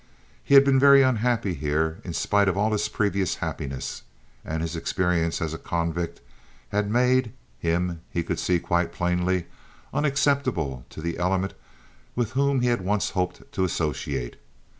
He had been very unhappy here in spite of all his previous happiness; and his experience as a convict had made, him, he could see quite plainly, unacceptable to the element with whom he had once hoped to associate.